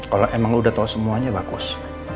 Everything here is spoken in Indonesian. kalau memang anda sudah tahu semuanya bagus